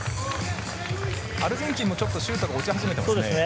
アルゼンチンもちょっとシュートが落ち始めていますね。